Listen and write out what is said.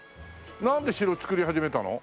なんで城作り始めたの？